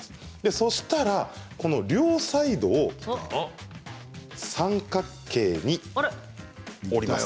そしたら両サイドを三角形に折ります。